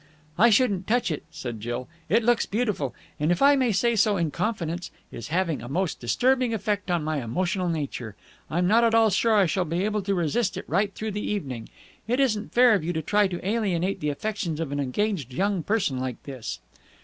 "I shouldn't touch it," said Jill. "It looks beautiful, and, if I may say so in confidence, is having a most disturbing effect on my emotional nature. I'm not at all sure I shall be able to resist it right through the evening. It isn't fair of you to try to alienate the affections of an engaged young person like this."